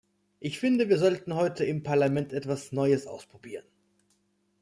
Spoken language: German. Ich finde, wir sollten heute im Parlament etwas Neues ausprobieren.